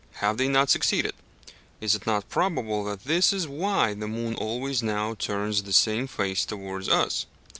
Have they not succeeded? Is it not probable that this is why the moon always now turns the same face towards us?